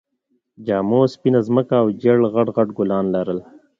جامو سپينه ځمکه او ژېړ غټ غټ ګلان لرل